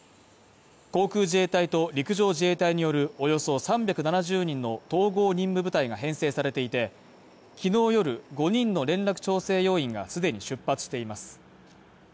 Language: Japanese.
航空自衛隊と陸上自衛隊によるおよそ３７０人の統合任務部隊が編成されていて、昨日夜、５人の連絡調整要員が既に出発しています。